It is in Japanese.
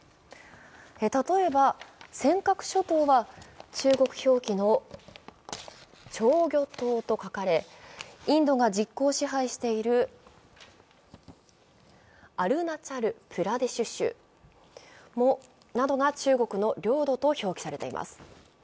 例えば尖閣諸島は中国表記の釣魚島と書かれ、インドが実効支配しているアルナチャルプラデシュ州などが中国の領土と表記されています。